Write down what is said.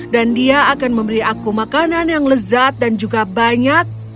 dan dia akan membeli aku makanan yang lezat dan juga banyak